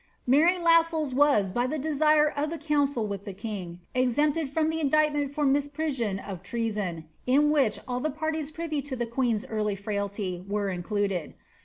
Mar>' Lassells was by the desire of the council with the king exempted from the indictment for misprision of treason, in which all the parties privy to the queen^s early frailty were included.